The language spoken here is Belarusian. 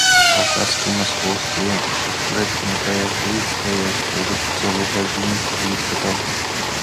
Каўказскі і маскоўскі сустрэчныя паязды стаяць побач цэлую гадзіну ці блізка таго.